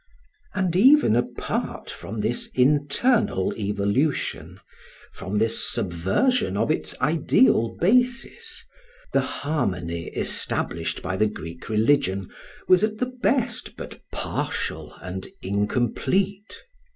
And even apart from this internal evolution, from this subversion of its ideal basis, the harmony established by the Greek religion was at the best but partial and incomplete.